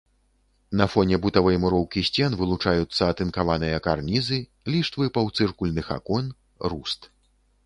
На фоне бутавай муроўкі сцен вылучаюцца атынкаваныя карнізы, ліштвы паўцыркульных акон, руст.